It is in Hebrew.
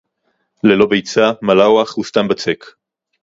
ללא ביצה, מלאווח הוא סתם בצק.